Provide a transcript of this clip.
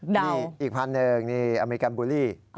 เดาอีกพันธุ์หนึ่งอเมริกันบูลลี่